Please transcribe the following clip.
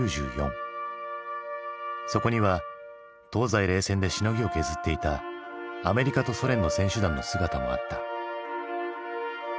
そこには東西冷戦でしのぎを削っていたアメリカとソ連の選手団の姿もあった。